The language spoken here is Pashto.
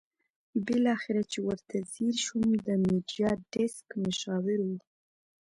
بالاخره چې ورته ځېر شوم د میډیا ډیسک مشاور وو.